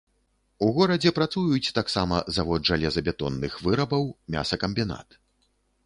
У горадзе працуюць таксама завод жалезабетонных вырабаў, мясакамбінат.